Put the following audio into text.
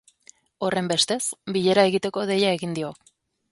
Horrenbestez, bilera egiteko deia egin dio.